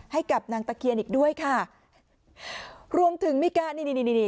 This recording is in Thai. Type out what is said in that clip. ให้กับนางตะเคียนอีกด้วยค่ะรวมถึงมีการนี่นี่นี่นี่